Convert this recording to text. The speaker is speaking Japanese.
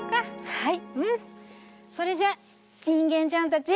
はい。